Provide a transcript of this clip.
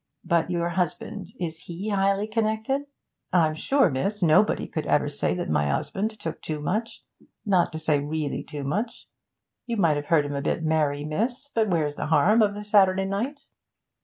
But your husband. Is he highly connected?' 'I'm sure, miss, nobody could ever say that my 'usband took too much not to say really too much. You may have heard him a bit merry, miss, but where's the harm of a Saturday night?'